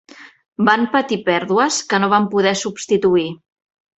Van patir pèrdues que no van poder substituir.